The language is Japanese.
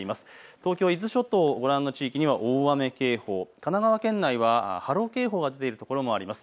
東京伊豆諸島、ご覧の地域には大雨警報、神奈川県内は波浪警報が出ているところもあります。